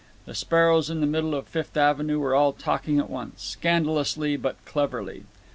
The sparrows in the middle of Fifth Avenue were all talking at once, scandalously but cleverly.